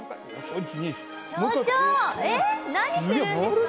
何してるんですか？